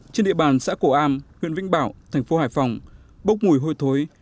trên địa bàn xã cổ am huyện vĩnh bảo thành phố hải phòng bốc mùi hôi thối